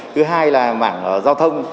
thứ hai là mảng giao thông